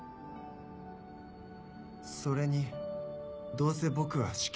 それにどうせ僕は死刑。